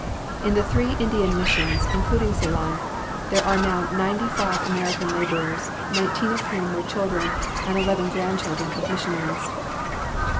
In the three India missions, including Ceylon, there are now ninety five American laborers, nineteen of whom were children and eleven grandchildren of missionaries."